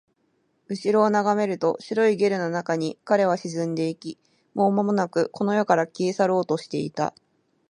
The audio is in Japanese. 後ろを眺めると、白いゲルの中に彼は沈んでいき、もうまもなくこの世から消え去ろうとしていた